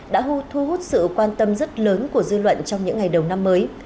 đã thu hút sự quan tâm rất lớn của dư luận trong những ngày đầu năm mới